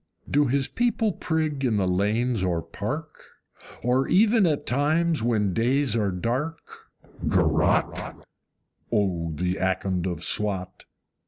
Do his people prig in the lanes or park? Or even at times, when days are dark, GAROTTE? O the Akond of Swat!